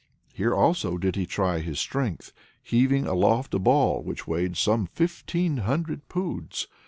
Here also did he try his strength, heaving aloft a ball which weighed some fifteen hundred poods.